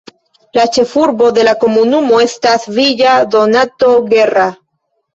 La ĉefurbo de la komunumo estas Villa Donato Guerra.